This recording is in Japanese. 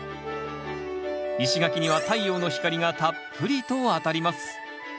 石垣には太陽の光がたっぷりと当たります。